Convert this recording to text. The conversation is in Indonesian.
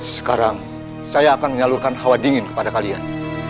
sekarang saya akan menyalurkan hawa dingin kepada kalian